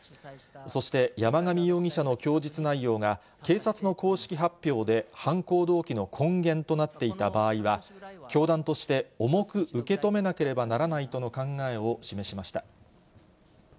そして、山上容疑者の供述内容が警察の公式発表で犯行動機の根源となっていた場合は、教団として重く受け止めなければならないとの考えを示しました。